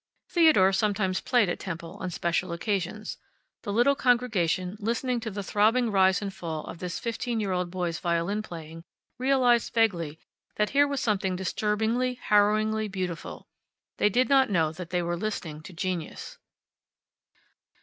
Theodore sometimes played at temple, on special occasions. The little congregation, listening to the throbbing rise and fall of this fifteen year old boy's violin playing, realized, vaguely, that here was something disturbingly, harrowingly beautiful. They did not know that they were listening to genius.